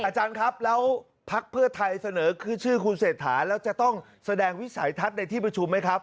อาจารย์ครับแล้วพักเพื่อไทยเสนอชื่อคุณเศรษฐาแล้วจะต้องแสดงวิสัยทัศน์ในที่ประชุมไหมครับ